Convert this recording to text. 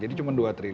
jadi cuma dua juta